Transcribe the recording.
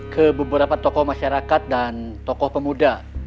ke beberapa tokoh masyarakat dan tokoh pemuda